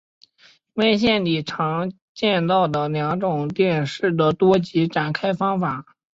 文献里常见到两种电势的多极展开方法。